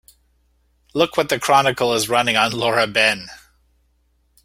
Look what the Chronicle is running on Laura Ben.